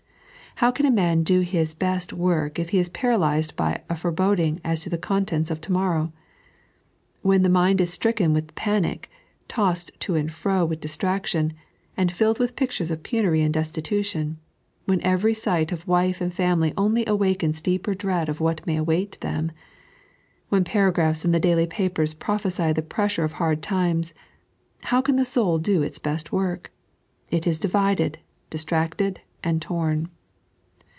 How can a man do his best work if he is paralysed by foreboding as to the contents of to morrow I When the mind is stricken with panic, tossed to and fro with distraction, and filled with pictures of penury and destitution; when evety sight of wife and family only awakens deeper dread of what may await them ; when paragraphs In the daily papers prophesy the pressure of hard times — how can the soul do its best work! It is divided, distracted, and torn.